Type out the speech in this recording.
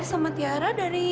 semua yang jadi